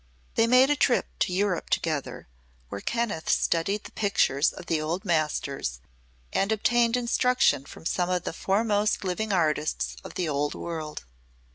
They made a trip to Europe together, where Kenneth studied the pictures of the old masters and obtained instruction from some of the foremost living artists of the old world.